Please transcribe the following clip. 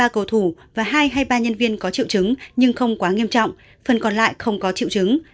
hai hai ba cầu thủ và hai hai ba nhân viên có triệu chứng nhưng không quá nghiêm trọng phần còn lại không có triệu chứng